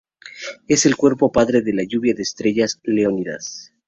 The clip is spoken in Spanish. Es el cuerpo padre de la lluvia de estrellas Leónidas.